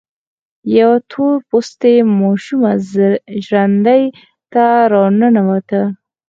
يوه تور پوستې ماشومه ژرندې ته را ننوته.